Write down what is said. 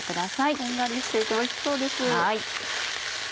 こんがりしていておいしそうです。